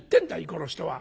この人は。